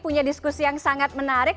punya diskusi yang sangat menarik